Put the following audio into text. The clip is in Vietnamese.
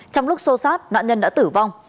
trong lúc xô sát nạn nhân đã tử vong